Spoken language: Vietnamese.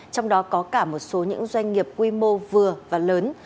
trong đó có cả một số những doanh nghiệp quy mô vừa và lớn